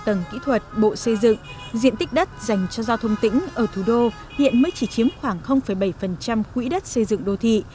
tầng kỹ thuật bộ xây dựng diện tích đất dành cho giao thông tỉnh ở thủ đô hiện mới chỉ chiếm khoảng bảy quỹ đất xây dựng đô thị